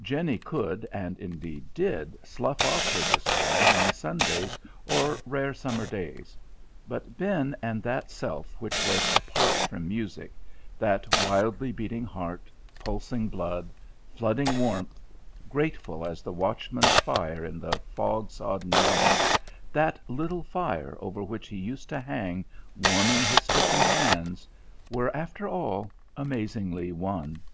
Jenny could, and indeed did, slough off her disguise on Sundays or rare summer days; but Ben and that self which was apart from music that wildly beating heart, pulsing blood, flooding warmth, grateful as the watchman's fire in the fog sodden yard, that little fire over which he used to hang, warming his stiffened hands were, after all, amazingly one.